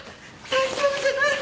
大丈夫じゃない！